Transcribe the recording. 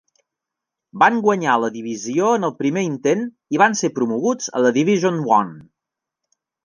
Van guanyar la divisió en el primer intent i van ser promoguts a la Division One.